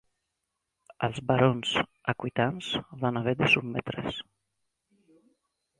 Els barons aquitans van haver de sotmetre's.